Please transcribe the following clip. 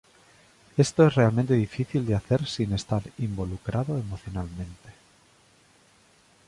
Esto es realmente difícil de hacer sin estar involucrado emocionalmente.